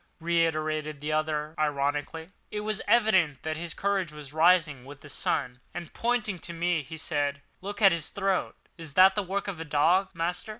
reiterated the other ironically. It was evident that his courage was rising with the sun; and, pointing to me, he said, "Look at his throat. Is that the work of a dog, master?"